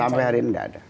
sampai hari ini nggak ada